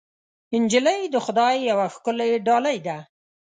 نجلۍ د خدای یوه ښکلی ډالۍ ده.